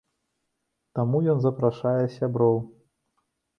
Таму ён запрашае сяброў.